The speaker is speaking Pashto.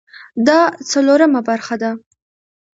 دا څلورمه برخه ده